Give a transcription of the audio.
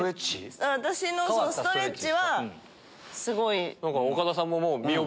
私のストレッチはすごい。